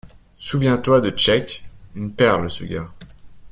Souviens-toi de Cheik, une perle ce gars.